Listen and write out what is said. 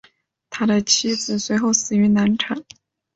他的妻子随后死于难产。